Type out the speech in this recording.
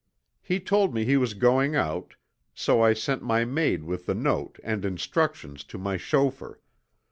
He told me he was going out, so I sent my maid with the note and instructions to my chauffeur.